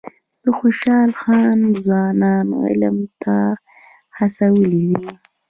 خوشحال خان ځوانان علم ته هڅولي دي.